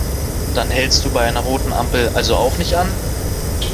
Dann hältst du bei einer roten Ampel also auch nicht an?